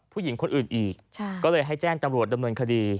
ผู้หญิงคนอื่นอีกก็เลยให้แจ้งตำรวจดำเนินคดี